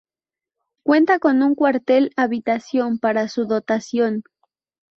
Cuenta con un cuartel-habitación para su dotación.